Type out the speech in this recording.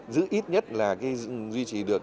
giữ ít nhất là duy trì được